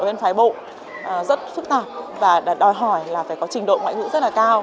ở bên phái bộ rất phức tạp và đòi hỏi là phải có trình độ ngoại ngữ rất là cao